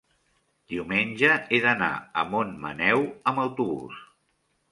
diumenge he d'anar a Montmaneu amb autobús.